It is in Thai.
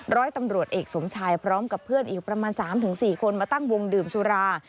ร้อยตำรวจเอกสมชายพร้อมกับเพื่อนอีกประมาณ๓๔คนมาตั้งวงดื่มสุรา